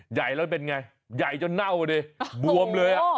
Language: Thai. ใหญ่แล้วเป็นไงใหญ่จนเน่าดิบวมเลย